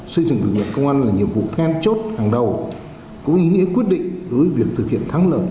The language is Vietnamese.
xây dựng lực lượng công an là nhiệm vụ then chốt hàng đầu có ý nghĩa quyết định đối với việc thực hiện thắng lợi